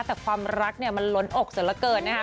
แต่ความรักเนี่ยมันล้นอกเสียเหลือเกินนะคะ